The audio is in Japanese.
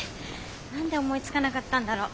何で思いつかなかったんだろう。